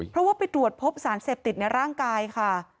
เพราะว่าไปตรวจพบสารเสพติดในร่างกายค่ะ